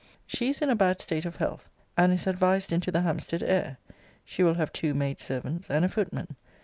She is in a bad state of health, and is advised into the Hampstead air. She will have two maid servants and a footman.